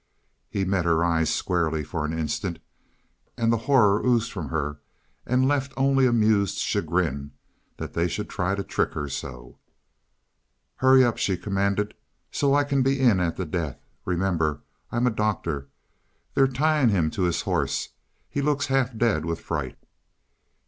He met her eyes squarely for an instant, and the horror oozed from her and left only amused chagrin that they should try to trick her so. "Hurry up," she commanded, "so I can be in at the death. Remember, I'm a doctor. They're tying him to his horse he looks half dead with fright."